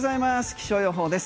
気象予報です。